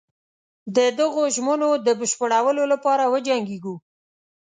د دغو ژمنو د بشپړولو لپاره وجنګیږو.